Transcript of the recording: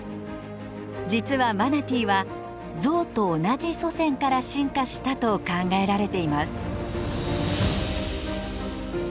実はマナティーはゾウと同じ祖先から進化したと考えられています。